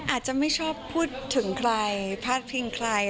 อาจจะไม่ชอบพูดถึงใครพาดพิงใคร